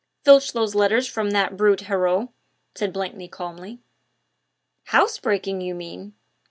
"Filch those letters from that brute Heriot," said Blakeney calmly. "House breaking, you mean!"